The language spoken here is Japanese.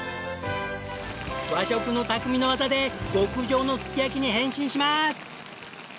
和食の匠の技で極上のすき焼きに変身します！